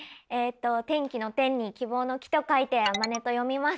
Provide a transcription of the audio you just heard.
天気の「天」に希望の「希」と書いてあまねと読みます。